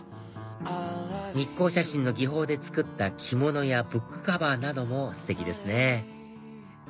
日光写真の技法で作った着物やブックカバーなどもステキですね